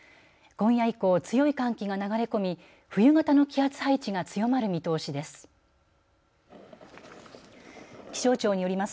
今夜以降、強い寒気が流れ込み冬型の気圧配置が強まる見通しです。